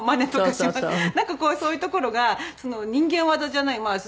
なんかこうそういうところが人間業じゃない。